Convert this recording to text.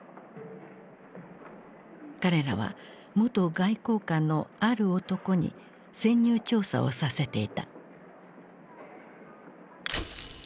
彼らは元外交官のある男に潜入調査をさせていた。